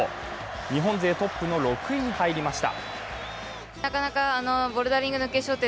日本勢トップの６位に入りました。